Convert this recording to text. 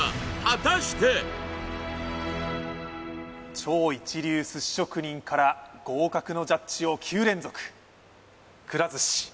超一流寿司職人から合格のジャッジを９連続くら寿司歴史をつくるのか？